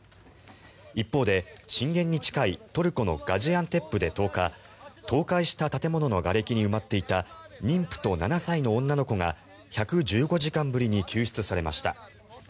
一方で震源に近いトルコのガジアンテップで１０日倒壊した建物のがれきに埋まっていた妊婦と７歳の女の子が１１５時間ぶりに救出されました。